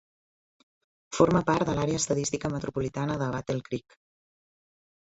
Forma part de l'Àrea Estadística Metropolitana de Battle Creek.